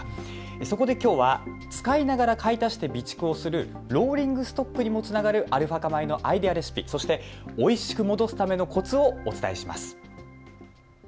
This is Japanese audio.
そこできょうは使いながら買い足して備蓄をするローリングストックにもつながるアルファ化米のアイデアレシピ、そしておいしく戻すためのこつをお伝えします。